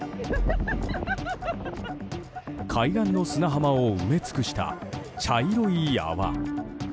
海岸の砂浜を埋め尽くした茶色い泡。